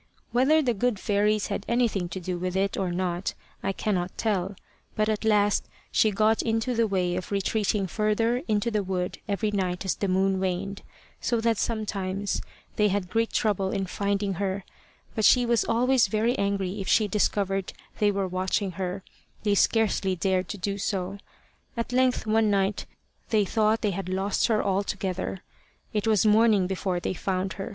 Whether the good fairies had anything to do with it or not I cannot tell, but at last she got into the way of retreating further into the wood every night as the moon waned, so that sometimes they had great trouble in finding her; but as she was always very angry if she discovered they were watching her, they scarcely dared to do so. At length one night they thought they had lost her altogether. It was morning before they found her.